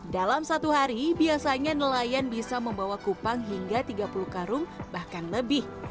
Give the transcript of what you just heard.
dalam satu hari biasanya nelayan bisa membawa kupang hingga tiga puluh karung bahkan lebih